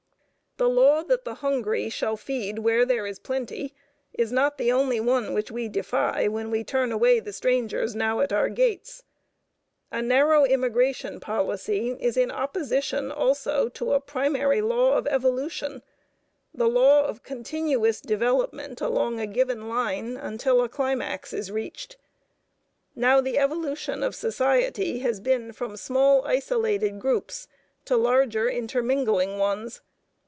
The law that the hungry shall feed where there is plenty is not the only one which we defy when we turn away the strangers now at our gates. A narrow immigration policy is in opposition also to a primary law of evolution, the law of continuous development along a given line until a climax is reached. Now the evolution of society has been from small isolated groups to larger intermingling ones.